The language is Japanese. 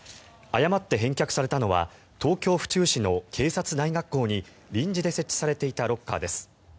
誤って返却されたのは東京・府中市の警察大学校に臨時で設置されていたロッカーです。